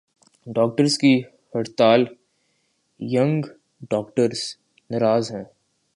Doctors کی ہڑتال "young doctors "ناراض ہیں۔